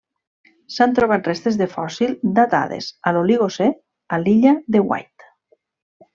S'han trobat restes de fòssil datades a l'Oligocè a l'Illa de Wight.